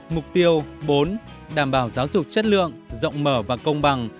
mục tiêu bốn đảm bảo giáo dục chất lượng rộng mở và công bằng